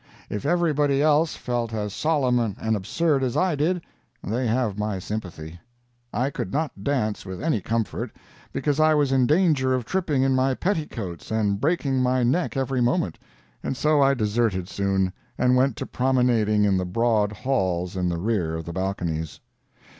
If everybody else felt as solemn and absurd as I did, they have my sympathy. I could not dance with any comfort, because I was in danger of tripping in my petticoats and breaking my neck every moment, and so I deserted soon, and went to promenading in the broad halls in the rear of the balconies.